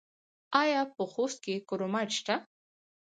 آیا په خوست کې کرومایټ شته؟